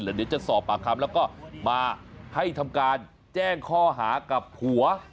เดี๋ยวจะสอบปากคำแล้วก็มาให้ทำการแจ้งข้อหากับผัว